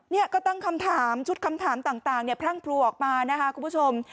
เนี่ยก็ตั้งคำถามชุดคำถามต่างเนี่ยพรั่งพลัวออกมานะคะคุณผู้ชม